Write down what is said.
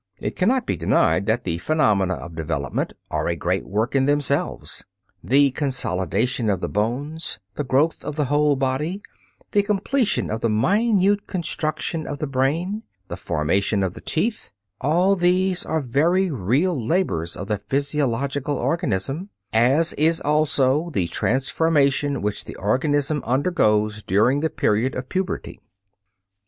It cannot be denied that the phenomena of development are a great work in themselves. The consolidation of the bones, the growth of the whole body, the completion of the minute construction of the brain, the formation of the teeth, all these are very real labors of the physiological organism, as is also the transformation which the organism undergoes during the period of puberty.